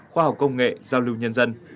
khoa học công nghệ giao lưu nhân dân